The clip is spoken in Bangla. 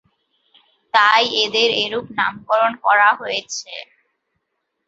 তাই এদের এরূপ নামকরণ করা হয়েছে।